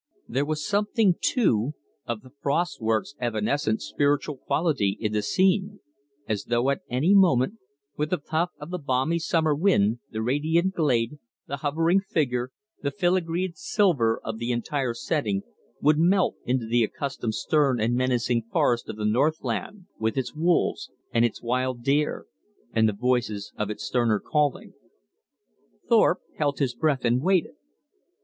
There was something, too, of the frost work's evanescent spiritual quality in the scene, as though at any moment, with a puff of the balmy summer wind, the radiant glade, the hovering figure, the filagreed silver of the entire setting would melt into the accustomed stern and menacing forest of the northland, with its wolves, and its wild deer, and the voices of its sterner calling. Thorpe held his breath and waited.